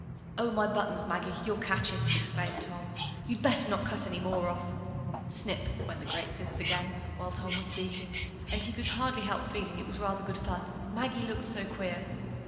"Oh, my buttons, Maggie, you'll catch it!" exclaimed Tom; "you'd better not cut any more off." Snip! went the great scissors again while Tom was speaking; and he could hardly help feeling it was rather good fun Maggie looking so queer.